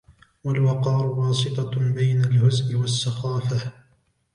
وَالْوَقَارُ وَاسِطَةٌ بَيْنَ الْهُزْءِ وَالسَّخَافَةِ